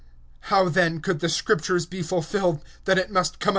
(54)How then shall the Scriptures be fulfilled, that thus it must be?